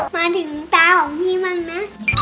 มาถึงสารของพี่มั้งนะ